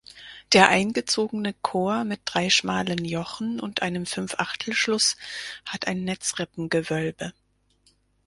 Der eingezogene Chor mit drei schmalen Jochen und einem Fünfachtelschluss hat ein Netzrippengewölbe.